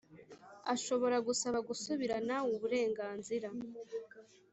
ashobora gusaba gusubirana uburenganzira